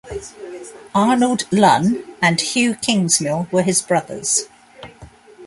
Arnold Lunn and Hugh Kingsmill were his brothers.